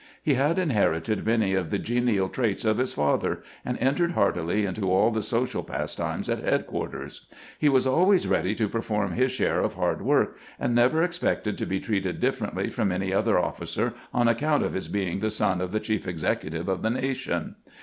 He had inherited many of the genial traits of his father, and entered heartily into all the social pastimes at headquarters. He was always ready to perform his share of hard work, and never expected to be treated differently from any other officer on account of his being the son of the Chief Executive of the nation.